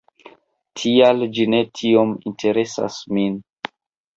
Tial ĝi ne tiom interesas min.